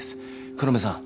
黒目さん